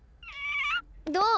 どう？